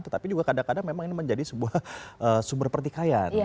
tetapi juga kadang kadang memang ini menjadi sebuah sumber pertikaian